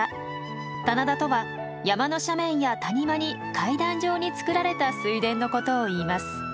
棚田とは山の斜面や谷間に階段状に作られた水田のことをいいます。